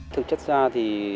thực chất ra thì